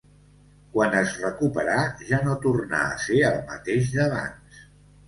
Quan es recuperà ja no tornà a ser el mateix d'abans.